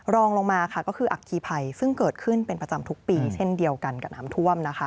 รองลงมาค่ะก็คืออัคคีภัยซึ่งเกิดขึ้นเป็นประจำทุกปีเช่นเดียวกันกับน้ำท่วมนะคะ